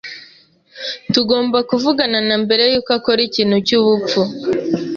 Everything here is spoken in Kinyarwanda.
Tugomba kuvugana na mbere yuko akora ikintu cyubupfu.